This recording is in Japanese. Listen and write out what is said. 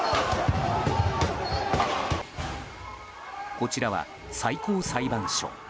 こちらは最高裁判所。